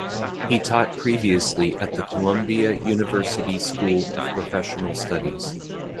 He taught previously at the Columbia University School of Professional Studies.